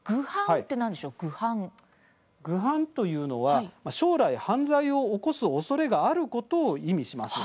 ぐ犯というのは将来犯罪を起こすおそれがあることを意味します。